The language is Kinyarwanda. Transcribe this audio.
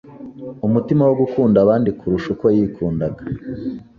umutima wo gukunda abandi kurusha uko yikundaga